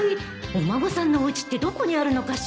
お孫さんのおうちってどこにあるのかしら？